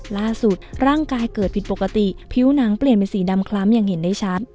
ร่างกายเกิดผิดปกติผิวหนังเปลี่ยนเป็นสีดำคล้ำอย่างเห็นได้ชัด